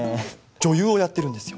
女優をやってるんですよ